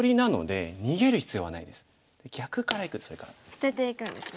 捨てていくんですね。